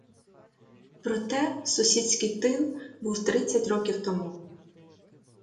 Проте сусідський тин був тридцять років тому.